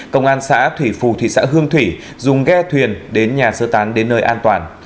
công an xã thủy phù thị xã hương thủy dùng ghe thuyền đến nhà sơ tán đến nơi an toàn